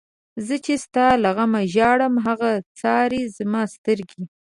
زه چی ستا له غمه ژاړم، هغه څاری زما سترگی